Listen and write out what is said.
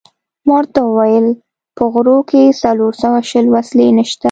ما ورته وویل: په غرو کې څلور سوه شل وسلې نشته.